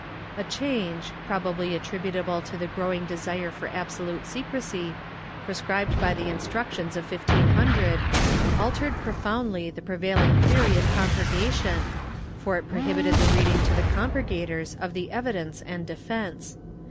^ A change, probably attributable to the growing desire for abso lute secrecy, prescribed by the Instructions of 1500, altered pro foundly the prevaihng theory of compurgation, for it prohibited the reading to the compurgators of the evidence and defence.